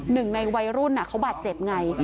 หนึ่งในวัยรุ่นเขาบาดเจ็บไง